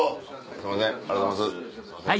すいませんありがとうございますすいません。